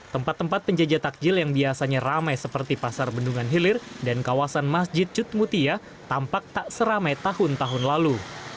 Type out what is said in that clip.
tempat tempat penjajah takjil yang biasanya ramai seperti pasar bendungan hilir dan kawasan masjid cutmutia tampak tak seramai tahun tahun lalu